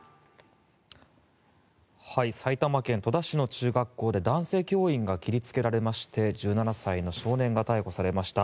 埼玉県戸田市の中学校で男性教員が切りつけられまして１７歳の少年が逮捕されました。